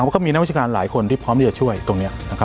ก็มีนักวิชาการหลายคนที่พร้อมที่จะช่วยตรงนี้